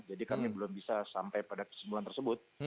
jadi kami belum bisa sampai pada kesimpulan tersebut